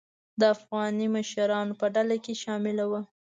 د افغاني مشرانو په ډله کې شامله وه.